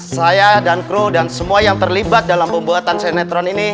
saya dan kru dan semua yang terlibat dalam pembuatan sinetron ini